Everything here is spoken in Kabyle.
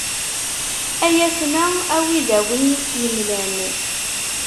Ay atma a wi i d awen-yemlan.